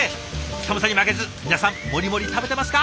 寒さに負けず皆さんモリモリ食べてますか？